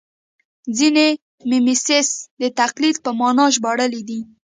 ځینې میمیسیس د تقلید په مانا ژباړلی دی